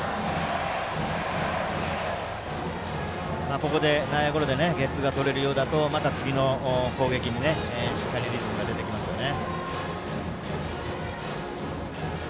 ここで内野ゴロでゲッツーがとれるようだったらまた次の攻撃にしっかりリズムが出てきますね。